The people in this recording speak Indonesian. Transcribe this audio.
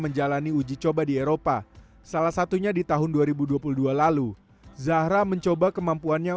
menjalani uji coba di eropa salah satunya di tahun dua ribu dua puluh dua lalu zahra mencoba kemampuannya